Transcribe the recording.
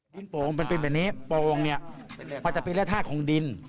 โป่งมันเป็นแบบนี้โป่งเนี่ยมันจะเป็นแร่ธาตุของดิน